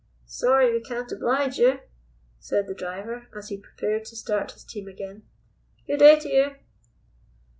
"Sorry we can't oblige you," said the driver as he prepared to start his team again. "Good day to you."